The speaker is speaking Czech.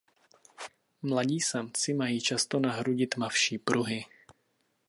Mladí samci mají často na hrudi tmavší pruhy.